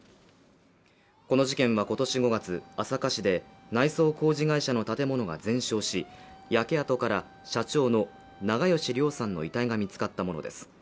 この事件は、今年５月朝霞市で、内装工事会社の建物が全焼し焼け跡から社長の長葭良さんの遺体が見つかったものです。